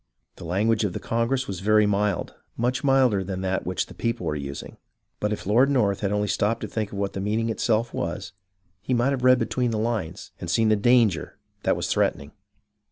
The language of the congress was very mild, much milder than that which the people were using ; but if Lord North had only stopped to think of what the meeting itself was, he might have read between the Hues and seen the danger that was threatening.